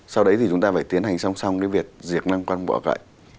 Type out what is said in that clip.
sau đấy thì chúng ta phải tiến hành xong xong việc diệt năng quan bỏ gậy